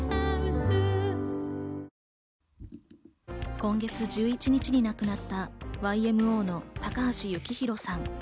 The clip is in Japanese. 今月１１日に亡くなったＹＭＯの高橋幸宏さん。